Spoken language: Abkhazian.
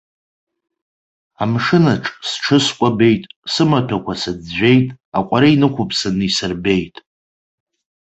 Амшынаҿ сҽыскәабеит, сымаҭәақәа сыӡәӡәеит, аҟәара инықәыԥсаны исырбеит.